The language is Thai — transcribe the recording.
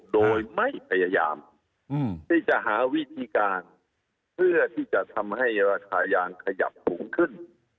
โดยไม่พยายามที่จะหาวิธีการเพื่อที่จะทำให้ราคายางขยับสูงขึ้น